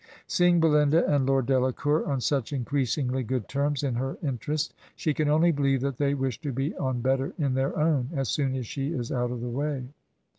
Seeing Belinda and Lord Delacour on such increasingly good terms in her interest, she can only believe that they wish to be on better in their own as soon as she is out of the way.